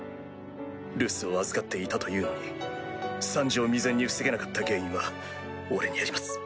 留守を預かっていたというのに惨事を未然に防げなかった原因は俺にあります。